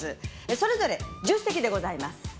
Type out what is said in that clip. それぞれ１０席でございます。